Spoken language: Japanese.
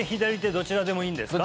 どちらでもいいんですか？